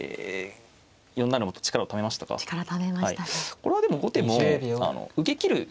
これはでも後手も受けきる